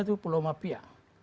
itu pulau mapia